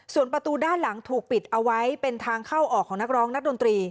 ส่วนประตูด้านหลังถูกปิดเอาไว้เป็นทางเข้าออกของนักร้องนักดนตรี